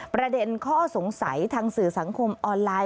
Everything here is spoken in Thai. ประเด็นข้อสงสัยทางสื่อสังคมออนไลน์